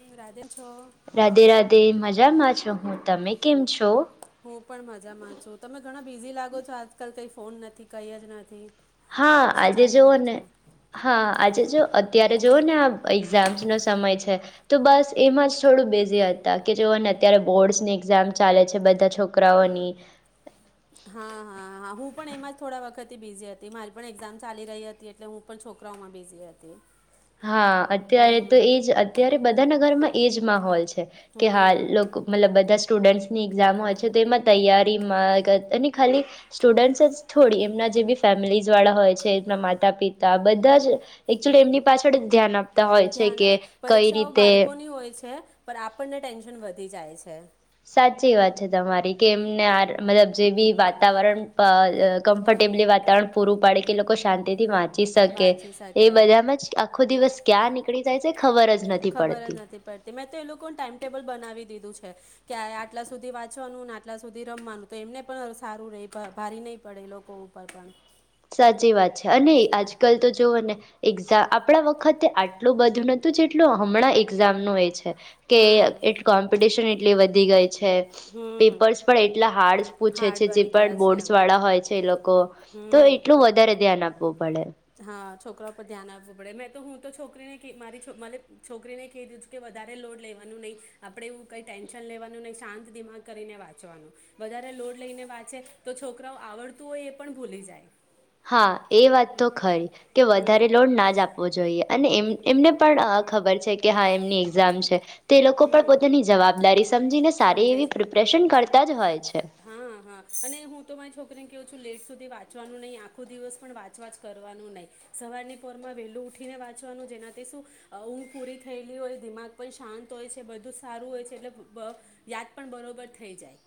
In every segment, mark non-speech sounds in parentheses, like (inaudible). હમ, રાધેન છો રાધે-રાધે, મજામાં છું હું, તમે કેમ છો? હું પણ મજામાં છું. તમે ઘણા બિઝી લાગો છો આજકાલ? કઈ ફોન નથી કઈ જ નથી. હા શું આજે ચાલી જોવો રહ્યું ને, છે હા આજે જો અત્યારે જોવો ને આ એક્ઝામસ નો સમય છે, તો બસ એમ જ થોડું બિઝી હતા કે, જોઓ અત્યારે બોર્ડસની એક્ઝામ ચાલે છે બધા છોકરાઓની. હા હા, હા હું પણ એમાં થોડા વખત બીઝી હતી, મારી પણ એક્ઝામ ચાલી રહી હતી એટલે હું પણ છોકરાઓમાં બિઝી હતી. હા અત્યારે તો હમ એજ અત્યારે બધાના ઘરમાં એજ માહોલ છે. કે હા હમ લોક મતલબ બધા જ સ્ટુડન્ટ્સની એક્ઝામ હોય છે, તો એમાં તૈયારીમા ગ અને ખાલી સ્ટુડન્ટ્સ જ થોડી એમના જે બી ફેમિલીઝ વાળા હોય છે, એમના માતા પિતા બધા જ એકક્ચુલી એમની પાછળ જ ધ્યાન આપતા હોય છે ધ્યાન અ, કે કઈ પરીક્ષાઓ રીતે. બાળકોની હોય છે પણ આપણને ટેન્શન વધી જાય છે. સાચી વાત છે તમારી. કે એમને આ, મલબ જે બી વાતાવરણ અ કમ્ફર્ટેબલી વાતાવરણ પૂરું પાડે કે લોકો શાંતિથી વાંચ ચી સકે. વાંચી એ શકે બધામાં જ આ આખો દિવસ ક્યાં નીકળી જાય છે ખબર જ નથી ખબર જ પડતી નથી પડતી, મેં તો એ લોકોન ટાઈમટેબલ બનાવી દીધું છે. કે આ આટલા સુધી વાંચવાનું ને આટલા સુધી રમવાનું. તો એમને પણ સારું રહે, ભારી નહી પડે લોકો ઉપર પણ. સાચી વાત છે અને આજકાલ તો જોવો ને એક્ઝામ, આપણા વખતે આટલું બધું નતુંજેટલું હમણાં એક્ઝામ નું એ છે. કે હા એટ કોમ્પિટશન એટલી વધી ગઈ છે. હમ પેપર્સ પણ એટલા હાર્ડ પૂછે હાર્ડ છે, જે બની ગયા પણ છે બોર્ડસ વાળા હોય છે એ લોકો. તો હમ એટલું વધારે ધ્યાન આપ પવુ પડે. હા, છોકરાઓ પર ધ્યાન આપવું પડે. મેં તો, હું તો, છોકરીને કિ મારી, મારી છોકરી, મને કીધું જ કે વધારે લોડ લેવાનું નહીં. આપડે એવું કઈ ટેન્શન લેવાનું નહી. શાંત દિમાગ કરીને વાંચવાનું. વધારે લોડ લઈને વાંચે, તો છોકરાઓ આવડતું હોય એ પણ ભૂલી જાય. હાં. એ વાત તો ખરી કે હમ વધારે લોડ ના જ આપવો જોઈએ. અને એમ એમને પણ અ, ખબર છે કે, હા, એમની એક્ઝામ છે. તે લોકો પણ હમ પોતાની જવાબદારી સમજીને સારી સમજે એવી છે પ્રિપ્રેશન કરતાં જ હોય છે. હા હા અને હું તો મારી છોકરીને કહું લેટ સુધી વાંચવાનું નહીં, આખો દિવસ પણ વાચવાચ કરવાનું નહીં. સવારની પોરમાં વેલું ઉઠીને વાંચવાનું, જેનાથી સુ, અ ઊંઘ પૂરી થઈ ગઈ હોય, દિમાગ પણ શાંત હોય છે, બધું સારું હોય છે, એટલે બ, યાદ પણ બરોબર થઈ જાય.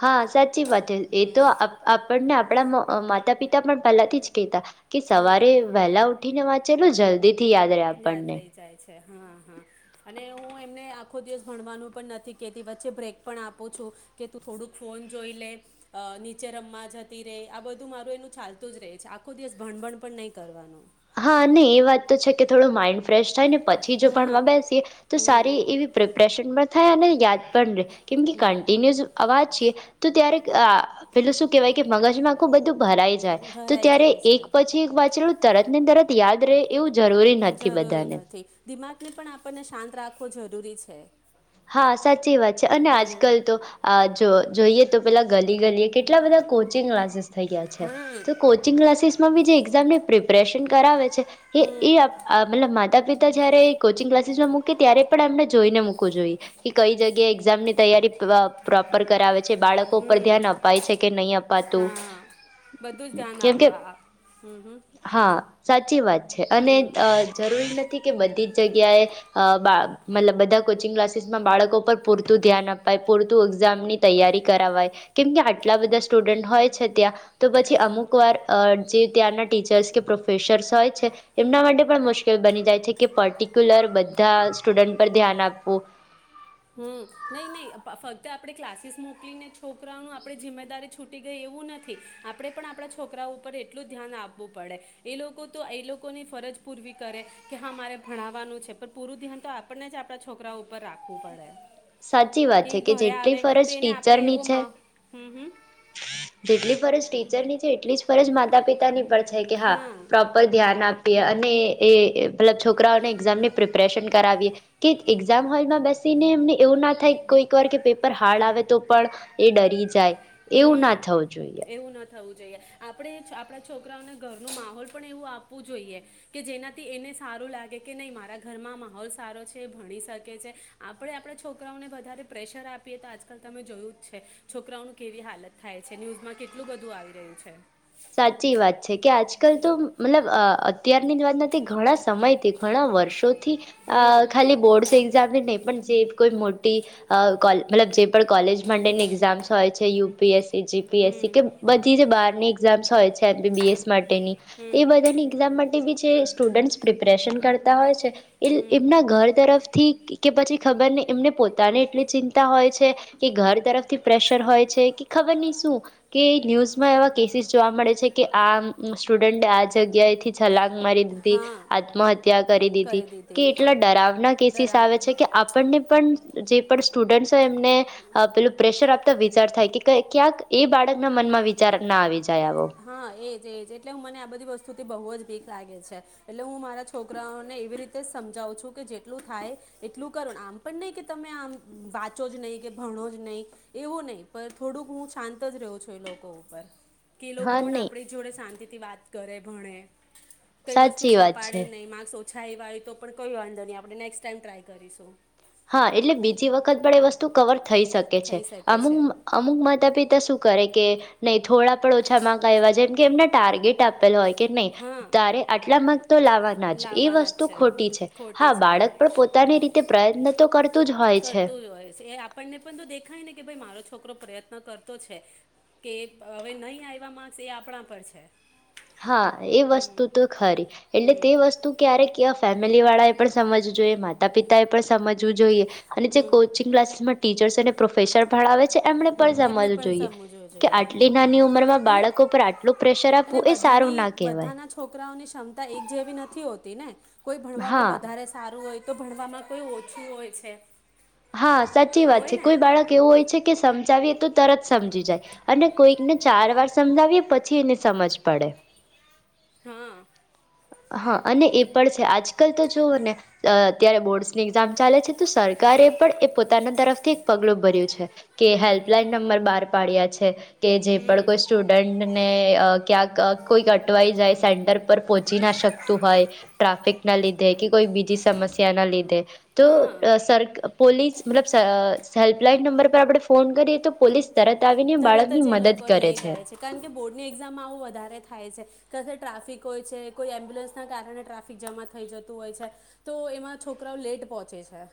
હા, સાચી વાત એ, એ તો આપ, હમ આપણને આપ આપણા માતા પિતા પણ પહેલાથી જ કહેતા કે સવારે હા વહેલા ઉઠી ને વાચ જેટલું જલ્દી થી યાદ રહે યાદ આપણને. રહી જાય છે હા, હા, અને હું એમને આખો દિવસ ભણવાનું પણ નથી કેતી, વચ્ચે બ્રેક પણ આપું છું, કે તું થોડુંક ફોન જોઈ લે, નીચે રમવા જતી રેય, આ બધું મારું એનું ચાલતું જ રહે છે. આખો દિવસ ભણભણ પણ નહીં કરવાનું. હા, અને એ વાત તો છે કે, થોડું માઈન્ડ ફ્રેશ થાય ને પછી જો હમ ભણવા બેસીએ તો સારી હમ એવી પ્રિપ્રેશન પણ થાય અને યાદ પણ રેય, કેમ કે કન્ટિન્યુઅઝ આ વાંચીએ, તો ત્યારે આ, પેલું સુ કેવાય કે મગજમાં આખું બધું ભરાઈ જાય તો ભરાઈ ત્યારે જાય એક છે પછી એક વાંચલુ તરત ને તરત યાદ રહે એવું જરૂરી નથી બધાંને. ને પણ આપણને શાંત રાખવો જરૂરી છે. હા સાચી વાત છે, અને હમ આજકાલ તો આ જો જોઈએ તો પેલા ગલી ગલીએ કેટલા બધા કોચિંગ ક્લાસીસ થઈ ગયા છે. હમ તો કોચિંગ ક્લાસીસ માં બી જે એક્ઝામની પ્રિપરેશન કરાવે છે. એ હમ એ મતલબ માતા પિતા જ્યારે કોચિંગ ક્લાસીસ માં મૂકે ત્યારે પણ એમને જોઈને મૂકવું જોઈએ. કે કઈ જગ્યા એક્ઝામ ની તૈયારી પ્રોપર કરાવે બાળકો પર ધ્યાન અપાય છે કે નહી અપાતું, હા બધું જ ધ્યાન કેમ કે આપ્યું આ હમ હમ હા સાચી વાત છે અને હમ જરૂરી નથી કે બધી જ જગ્યાએ મતલબ બધા કોચિંગ ક્લાસ ક્લાસીસમાં બાળકો પર પૂરતું ધ્યાન અપાય, પૂરતું એક્ઝામની તૈયારી કરાય કેમકે આટલા બધા સ્ટુડન્ટ હોય છે, ત્યાં તો પછી અમુક વાર જે ત્યાંના ટીચર્સ કે પ્રોફેસર્સ હોય છે, એમના માટે પણ મુશ્કેલ બની જાય છે કે પર્ટિક્યુલર બધા સ્ટુડન્ટ પર ધ્યાન આપવું. (inaudible) હમ નહીં નહીં ફક્ત આપણે ક્લાસીસ મોકલીને છોકરાઓનું આપણે જિમ્મેદારી છૂટી ગઈ એવું નથી. આપણે પણ આપણા છોકરાઓ ઉપર એટલું ધ્યાન આપવું પડે. એ લોકો તો એ લોકોની ફરજ પૂરવી કરે કે હા મારે ભણાવવાનું છે. પણ પૂરું ધ્યાન તો આપણને જ આપણા છોકરાઓ ઉપર રાખવું પડે. સાચી વાત છે એ કે ઘરે આવે જેટલી ફરજ તો એને આપણે એવો ટીચરની છે મા હમ હમ જેટલી ફરજ ટીચરની છે એટલી જ ફરજ માતા પિતાની પણ છે કે હા પ્રોપર ધ્યાન આપ પીએ અને એ પેલા છોકરાઓને એક્ઝામની પ્રિપરેશન કરાવીએ કે એક્ઝામ હોલમાં બેસીને એમને એવું ના થાય કોઈક વાર કે પેપર હાર્ડ આવે તો પણ એ ડરી જાય એવું ના થવું જોઈએ. જઈએ આપણે જ આપણા છોકરાઓને ઘરનું માહોલ પણ એવું આપવું જોઈએ કે જેનાથી એને સારું લાગે કે નહીં મારા ઘરમાં માહોલ સારો છે એ ભણી શકે છે આપણે આપણા છોકરાઓને વધારે પ્રેશર આપીએ તો આજકાલ તમે જોયું જ છે છોકરાઓનું કેવી હાલત થાય છે ન્યૂઝમાં કેટલું બધું આવી રહ્યું છે. સાચી વાત છે કે આજકાલ તો મતલબ અ અત્યારની જ વાત નથી ઘણા સમયથી ઘણા વર્ષો થી અ હમ ખાલી બોર્ડસ એક્ઝામની પણ જે કોઈ મોટી કોઈ અ કોલ મતલબ જે પણ કોલેજ માટેની એક્ઝામ્સ હોય છે યુ પી એસ એ જી પી એસ સી કે હમ બધી જે બહારની હોય છે એમ બી બી એસ માટેની એ હમ બધાની એક્ઝામ માટે બી છે. સ્ટુડન્સ પ્રિપરેશન કરતા હોય છે. એલ હમ એમના ઘર તરફથી કે કે પછી ખબર ની એમને પોતાને એટલી ચિંતા હોય છે કે ઘર તરફથી પ્રેશર હોય છે કે ખબર ની શું કે ન્યૂઝમાં એવા કેસીસ જોવા મળે છે કે આમ સ્ટુડન્ટ આ જગ્યાથી છલાંગ મારી દીઘી, હા આત્મહત્યા કરી દીધી કે એટલે ડરાવના કેસીસ ડરામ આવે છે કે આપણને પણ જે પણ સ્ટુડન્સ તો એમને અ પેલું પ્રેશર આપ ત વિચાર થાય કે કય ક્યાંક એ બાળકના મનમાં વિચાર ના આવે છે. (inaudible) હા, એજ એજ. એટલે હું મને આ બધી વસ્તુથી બહુ જ ભીક લાગે છે એટલે હું મારા છોકરાઓને એવી રીતે સમજાવુ છું કે જેટલું થાય એટલું કરવાનું આમ પણ નય કે તમે આમ વાંચો જ નય કે ભણો જ નય એવું નય પણ થોડુંક હું શાંત જ રહું છું એ લોકો ઉપર. કે એ લોકો હા પણ નહી આપણી જોડે શાંતિ વાત કરે ભણે. કઈ વસ્તુ સાચી વાત છપાડે છે નહીં માર્સ ઓ છાઈ વાળી તો પણ કોઈ વાંધો નઇ આપણે નેક્સ્ટ ટાઈમ ટ્રાય કરીશું. હા, એટલે બીજી વખત પણ એ વસ્તુ કવર થઈ શકે છે થઈ શકે અમુ છે અમુક માતા પિતા શું કરે કે નય થોડા પણ ઓછા માર્ક આવેલા હોય જેમ કે એમને ટાર્ગેટ આપેલો હોય. કે નય હા તારે આટલા માર્ક તો લાવવાના જ એ લાવવાના વસ્તુ જ ખોટી છે હા ખોટી છે બાળક પણ પોતાની રીતે પ્રયત્ન તો તો કર કરતું જ હોય છે એ આપણને પણ તો દેખાય ને કે ભાઈ મારો છોકરો પ્રયત્ન હ કરતો છે કે હવે નય આવ્યા માક્સ એ આપણા પર છે. હા એ હમ વસ્તુ તો ખરી એટલે હમ તે વસ્તુ ક્યારે ક ફે ફેમિલીવાળાએ પણ સમજવું જોઈએ માતા પિતાએ પણ સમજવું જોઈએ અને હમ જે હમ. કોચિંગ ક્લાસીસમાં ટીચર્સને પ્રોફેસર ભણાવે છે એમણે પણ એમને સમજવું પણ જોઈએ સમજવું કે જોઈએ આટલી નાની ઉંમરમાં અને બાળકો પર આટલું પ્રેશર આપ બધાની બધાના છોકરાઓની ક્ષમતા એક જેવી નથી હોતી ને કોઈ ભણવામાં હા વધારે સારું હોય, તો ભણવામાં કોઈ ઓછું હોય છે. હા સાચી વાત હોય છે ને કોઈ બાળક કેવું હોય છે કે સમજાવીએ તો તરત સમજી જાય અને કોઈકને ચાર વાર સમજાવીએ પછી એને સમજ પડે હા. હા અને એ પણ છે આજકાલ તો જોવ ને અત્યારે બોર્ડસની એક્ઝામ ચાલે છે તો સરકારે પણ એ પોતાના તરફથી એક પગલું ભર્યું છે કે હેલ્પલાઈન નંબર બહાર પાડ્યા છે. કે જે પણ હમ કોઈ સ્ટુડન્ટને ક્યાંક કોઈ અટવાઈ જાય સેન્ટર પર પહોંચ લીધે કે કોઈ બીજી સમસ્યાના લીધે તો હા સર પ્લીઝ મતલબ હેલ્પલાઈન નંબર પર આપણે ફોન કરીએ તો પોલીસ તરત આવીને તરત બાળકની જ એ લોકો મદદ કરે લઈ જાય છે કારણ કે બોર્ડની એક્ઝામ આવું વધારે થાય છે કસે ટ્રાફિક હોય છે કોઈ એમ્બ્યુલન્સના કારણે ટ્રાફિક જમા થઈ જતું હોય છે તો એમાં છોકરાઓ લેટ પહોંચે છે.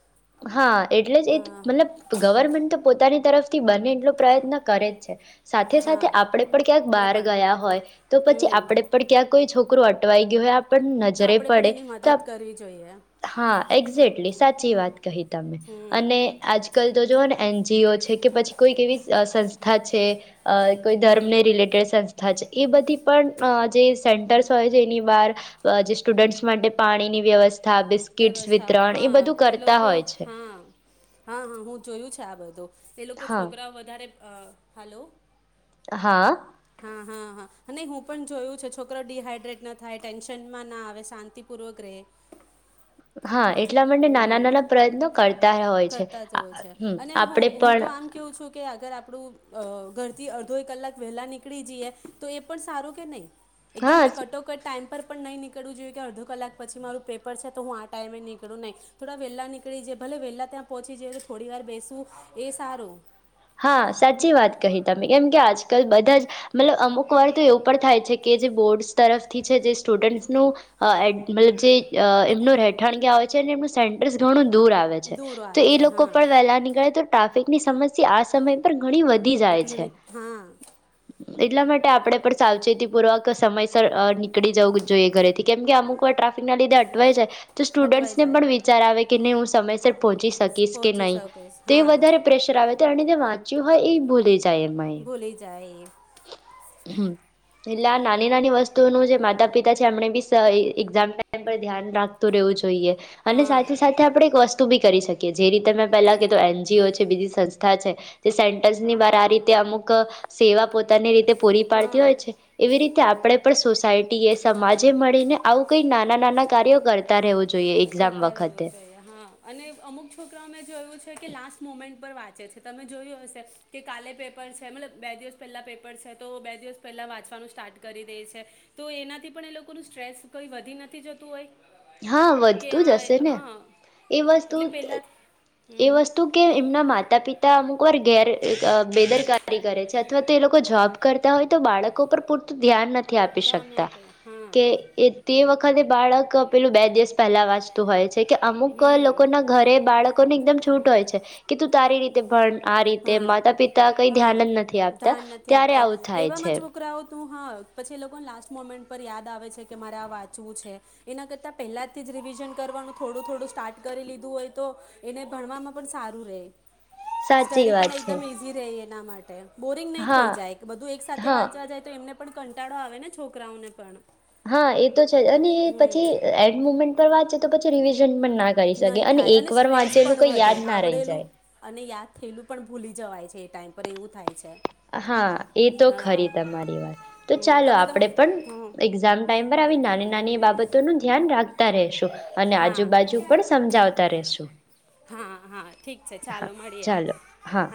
હા એટલે જ એ હા મતલબ ગવર્મેન્ટ તો પોતાની તરફથી બને એટલો પ્રયત્ન કરે જ છે સાથે હા સાથે આપણે આપણેે પણ ક્યાંક બહાર પણ ગયા હોય તો પછી હમ આપડે પણ ક્યાંક કોઈ છોક (unintelligible) અટવાઈ તોયે આપણ તો નજરે આપણે પણ પડે એની તો મદદ કરવી જોઈએ હા એક્ઝે્ટલી સાચી વાત કહી તમે હમ અને આજ આજકાલ તો જઓ ને એનજીઓ છે કે પછી કોઈ કે એવી સંસ્થા છે કોઈ ધર્મને રિલેટેડ સંસ્થા છે એ બધી પણ જે સેન્ટર્સ હોય છે એની બહાર જે સ્ટુડન્ટ્સ માટે પાણીની વ્યવસ્થા તથા બિસ્કીટસ વ્યવસ્થાઓ વિતરણ એ બધું કે કર હા હા હા હું જોયું છે વધુ એ લોકો હા છોકરા વધારે હલો હા હા હા હા નહી હું પણ જોયું છે છોકરો ડડીહાઈડ્રેટ ના થાય ટેન્શનમાં ના આવે શાંતિપૂર્વક રહે હા એટલા માટે નાના હમ, નાના પ્રયત્નો કરતા હોય છે કરતા જ હોય છે હમ અને આપણેે હું હું પણ તો આમ કહું છું કે અગર આપણું અ ઘર થી અડધો એક કલાક વહેલા ની કડી જઈએ તો એ પણ સારો કે નહી? એકદમ હા કટોકટ ટાઈમ પર પણ નહીં નીકળવું જોઈએ કે અડધ કલાક પછી મારું પેપર છે તો હું આ ટાઈમે નીકળું નહીં થોડા વહેલા નીકળી જાય ભલે વહેલા ત્યાં પહોંચી જાય તો થોડી વાર બેસું એ સારું. હા સાચી વાત કહી તમે કેમ કે આજકાલ બધા જ મતલબ અમુક વાર તો એવું પણ થાય છે કે જે બોર્ડ તરફથી છે જે સ્ટુડન્ટનું મતલબ જે અ એમનું રહેઠાણ ક્યાં હોઈ છે (unintelligible) એમનું (unintelligible) ઘણું દૂર આવે છે. દૂર તો આવે એ છે લોકો હા પણ વહેલા નીકળે તો ટ્રાફિકની સમસ્યા આ સમય પર ઘણી વધી જાય છે. ઘણી હા એટલા માટે આપણેે પણ સાવચેતી પૂર્વક સમયસર નીકળી જવું જોઈએ ઘરેથી કેમ કે અમુક વાર ટ્રાફિક ના લીધે અટવાય જાય. તો અટવાઈ સ્ટુડન્ટ્સને પણ જાય વિચાર આવે કે નહી હું સમયસર પહોંચી શકીશ કે પહોંચી નહીં શકીશ તે હા વધારે પ્રેશર આવે તેણે જે વાંચ્યું હોય એ ભૂલી જા ભૂલી જાય એ. હમ્મ એટલેઆ નાની નાની વસ્તુ તો (unintelligible) જે માતા પિતા છે એમને બી એઝામ ટાઈમે પર ધ્યાન રાખતું રહેવું જોઈએ. અને હા સાથે સાથે આપડે (unintelligible) બી કરી શકીએ જે રીતે મેં પેલા કિધુ તો એનજીઓ છે. બીજી સસ્ થા જે સેનટરસ ની વાર આ રીતે અમુક સેવા પોતાની રીતે પૂરી પાડતી હા હોય છે એવી રીતે આપણે પણ સોસાયટીએ સમાજે મળીને આવું કંઈ નાના નાના કાર્યો કરતા રહેવું જોઈએ એક્ઝામ કરતા રહેવું વખતે છેઈ. હા અને અમુક છોકરા અ મે જોયું છે કે લાસ્ટ મોમેન્ટ પર વાત વાંચે છે તમે જોયું હશે કે કાલે પેપર છે મતલબ બે દિવસ પહેલા પેપર છે તો બે દિવસ પહેલા વાંચવાનું સ્ટાર્ટ કરી દે છે તો એનાથી પણ એ લોકોનું સ્ટ્રેસ કઈ વધી નથી જતું હોય? હા કે વધતું આ જ હશે ને હા એ વસ્તુ એટલે પહેલાં એ હમ હમ વસ્તુ કે એમના માતા પિતા અમુક વર્ગ ઘેર બેદરકારી કરે છે અથવા તો એ લોકો જોબ કરતા હોય તો બાળકો પર પૂર ધ્યાન નથી આપી ઉદાહરણ શકતા આપે હા કે તે વખતે એને બાળક પેલું બે દિવસ પહેલા વાંચતું હોય છે. જે કે અમુક હમ લોકોના ઘરે બાળકોને એકદમ છૂટ હોય છે કે તું તારી રીતે આ રીતે પણ માતા પિતા કઈ હા ધ્યાન જ નથી આપતા ત્યારે આવું થાય છે. શું હા પછી એ લોકો લાસ્ટ મોમેન્ટ પર યાદ આવે છે કે મારે આ વાંચવું છે એના કરતા પહેલાથી જ રિવિઝન કરવાનું થોડું થોડું સ્ટાર્ટ કરી લીધું હોય તો એને ભણવામાં પણ સારું રહે સાચી સ્ટડી વાત પણ છે એકદમ ઇઝી રહી ના માટે બોરિંગ નહી થઈ હા જાય બધું એક સાથે હા વાંચવા જાય તો એમને પણ કંટાળો આવે ને છોકરાઓને પણ હા એ તો છે જ અને પછી હમ એન્ડ મુમેન્ટ પર વાત તો પછી રિવિજન નહી થાય અને સ્ટ્રેસ પણ કઈ વધે યાદ ના રહી આવડેલું જાય અને યાદ થયેલું પણ ભૂલી જવાય છે છે એ ટાઈમ પર એવું થાય છે. હા એ તો હા ખરી તમારી વાત તો હમ, ચાલો તમે તમા આપણેે પણ હમ. એક્ઝામ ટાઈમ પર આવી નાની નાની બાબતોનું ધ્યાન રાખતા રહશું અને હા આજુબાજુ પણ સમજાવતા રશું હા હા ઠીક છે ચાલો હા મળીએ ચાલો હા